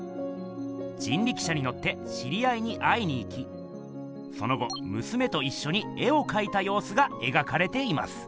人力車にのって知り合いに会いにいきその後娘といっしょに絵をかいたようすがえがかれています。